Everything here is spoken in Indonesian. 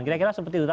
kira kira seperti itu